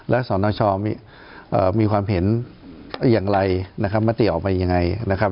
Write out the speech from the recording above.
และสนชมีความเห็นอย่างไรนะครับมติออกไปยังไงนะครับ